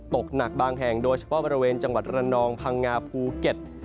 ตกหนักบางแห่งโดยเฉพาะบริเวณจังหวัดระนองพังงาภูเก็ต